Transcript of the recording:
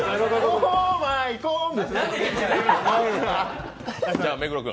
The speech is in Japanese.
オーマイコンブ！